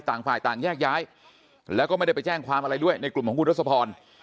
ต่างฝ่ายต่างแยกย้ายแล้วก็ไม่ได้ไปแจ้งความอะไรด้วยในกลุ่มของคุณทศพร